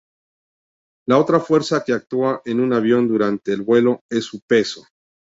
La otra fuerza que actúa en un avión durante el vuelo es su peso.